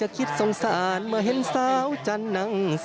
และก็มีการกินยาละลายริ่มเลือดแล้วก็ยาละลายขายมันมาเลยตลอดครับ